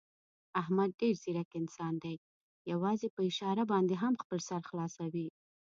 احمد ډېر ځیرک انسان دی، یووازې په اشاره باندې هم خپل سر خلاصوي.